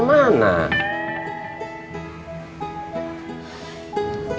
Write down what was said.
sampai dimana tadi